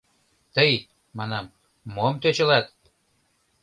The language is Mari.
— Тый, — манам, — мом тӧчылат?